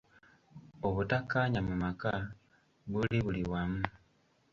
Obutakkaanya mu maka buli buli wamu.